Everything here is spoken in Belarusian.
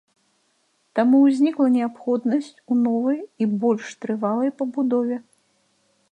Таму ўзнікла неабходнасць у новай і больш трывалай пабудове.